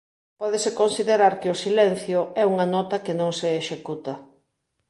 Pódese considerar que o silencio é unha nota que non se executa.